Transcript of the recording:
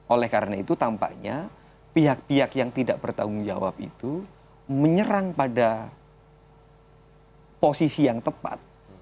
oleh karena itu tampaknya pihak pihak yang tidak bertanggung jawab itu menyerang pada posisi yang tepat